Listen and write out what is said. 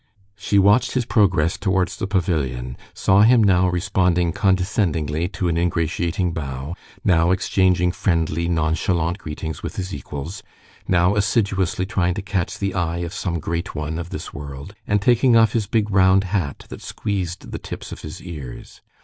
She watched his progress towards the pavilion, saw him now responding condescendingly to an ingratiating bow, now exchanging friendly, nonchalant greetings with his equals, now assiduously trying to catch the eye of some great one of this world, and taking off his big round hat that squeezed the tips of his ears.